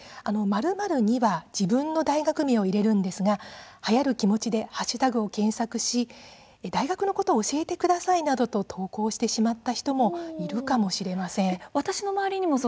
○○には自分の大学名を入れるんですがはやる気持ちでハッシュタグを検索し大学のことを教えてくださいなどと投稿してしまった人もいるかもしれません。